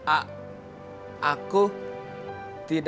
aku mau bantuin mas pur